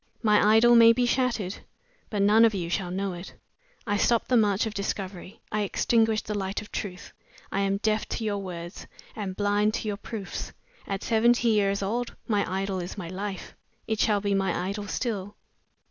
"My idol may be shattered, but none of you shall know it. I stop the march of discovery; I extinguish the light of truth. I am deaf to your words; am blind to your proofs. At seventy years old, my idol is my life. It shall be my idol still."